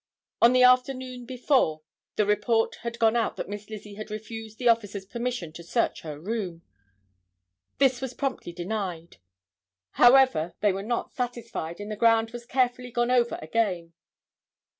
On the afternoon before the report had gone out that Miss Lizzie had refused the officers permission to search her room. This was promptly denied. However, they were not satisfied, and the ground was carefully gone over again.